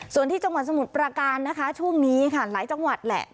ส่วนที่จังหวัดสมุทรประการนะคะช่วงนี้ค่ะหลายจังหวัดแหละ